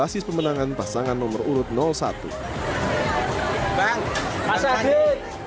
sebenarnya pasangan nomor urut satu berada di basis pemenangan pasangan nomor urut satu